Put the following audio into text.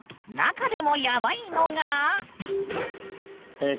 中でもヤバいのが？